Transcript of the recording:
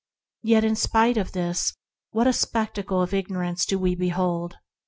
Yet in spite of this what a spectacle of ignorance do we behold!